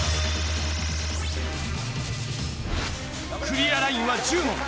クリアラインは１０問。